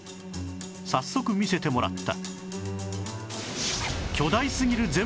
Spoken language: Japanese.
早速見せてもらった